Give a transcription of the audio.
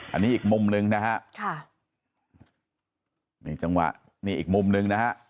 อันนี้อีกมุมหนึ่งนะฮะค่ะนี่จังหวะนี่อีกมุมหนึ่งนะฮะ